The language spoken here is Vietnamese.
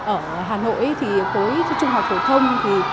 ở hà nội khối trung học hồi thông